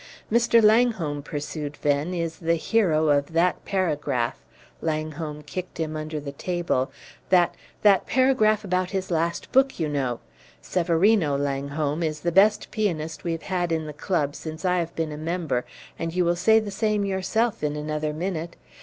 "Mr. Langholm," pursued Venn, "is the hero of that paragraph" Langholm kicked him under the table "that that paragraph about his last book, you know. Severino, Langholm, is the best pianist we have had in the club since I have been a member, and you will say the same yourself in another minute.